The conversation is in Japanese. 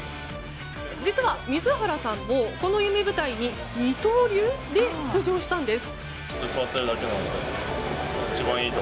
実は、水原さんもこの夢舞台に二刀流？で出場したんです。